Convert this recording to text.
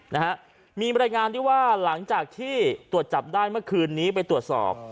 นะฮะมีบรรยายงานที่ว่าหลังจากที่ตรวจจับได้เมื่อคืนนี้ไปตรวจสอบ